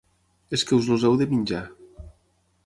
És que us els heu de menjar.